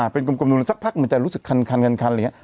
เป็นกลมดูสักพักมันจะรู้สึกคันอะไรอย่างนี้